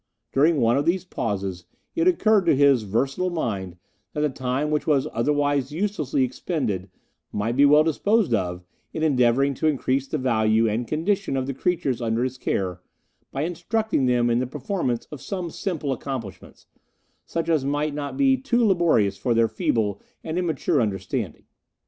During one of these pauses it occurred to his versatile mind that the time which was otherwise uselessly expended might be well disposed of in endeavouring to increase the value and condition of the creatures under his care by instructing them in the performance of some simple accomplishments, such as might not be too laborious for their feeble and immature understanding.